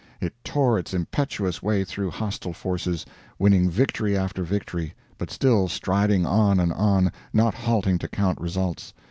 It tore its impetuous way through hostile forces, winning victory after victory, but still striding on and on, not halting to count results.